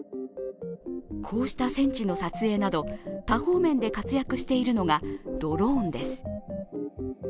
こうした戦地の撮影など、多方面で活躍しているのがドローンです。